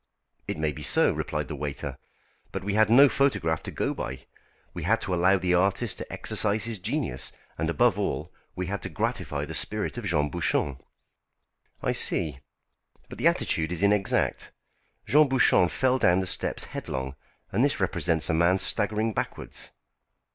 "It may be so," replied the waiter. "But we had no photograph to go by. We had to allow the artist to exercise his genius, and, above all, we had to gratify the spirit of Jean Bouchon." "I see. But the attitude is inexact. Jean Bouchon fell down the steps headlong, and this represents a man staggering backwards."